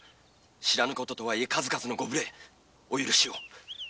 知らぬ事とはいえ数々のご無礼お許しを。